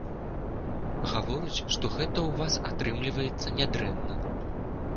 Гавораць, што гэта ў вас атрымліваецца нядрэнна.